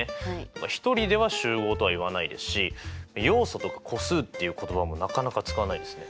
１人では集合とは言わないですし要素とか個数っていう言葉もなかなか使わないですね。